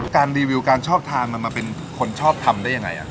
รีวิวการชอบทานมันมาเป็นคนชอบทำได้ยังไง